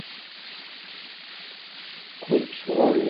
کوچ غوړ لري